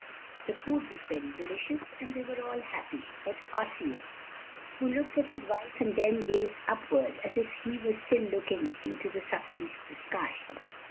The food was very delicious, and they were all happy but Osseo, who looked at his wife and then gazed upward, as if he were still looking into the substance of the sky.